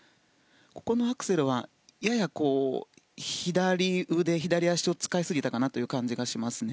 ここのアクセルはやや左腕、左足を使いすぎたかなという感じがします。